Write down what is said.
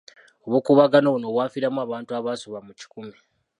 Obukuubagano buno bwafiiramu abantu abaasoba mu kikumi.